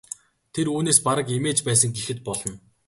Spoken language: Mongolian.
Тэр үүнээс бараг эмээж байсан гэхэд болно.